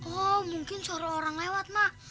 oh mungkin suara orang lewat mak